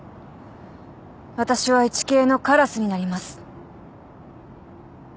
私はイチケイのカラスになります。